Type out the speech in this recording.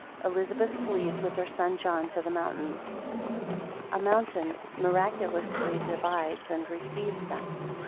3 Elizabeth flees with her son John to the mountains. 6 A mountain miraculously divides and receives them.